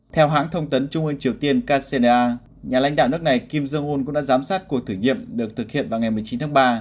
theo hãng thông tấn trung ương triều tiên kcna nhà lãnh đạo nước này kim jong un cũng đã giám sát cuộc thử nghiệm được thực hiện vào ngày một mươi chín tháng ba